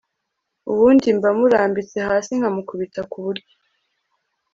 ubundi mba murambitse hasi nkamukubita kuburyo